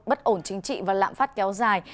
bất ổn chính trị và lạm phát kéo dài